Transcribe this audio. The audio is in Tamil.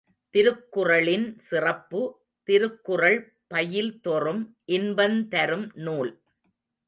திருக்குறளின் சிறப்பு திருக்குறள் பயில் தொறும் இன்பந்தரும் நூல்.